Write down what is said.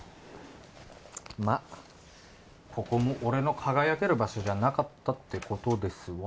まっここも俺の輝ける場所じゃなかったってことです